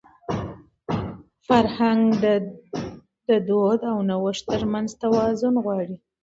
فرهنګ د دود او نوښت تر منځ توازن غواړي.